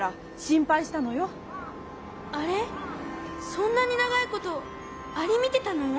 そんなにながいことアリみてたの？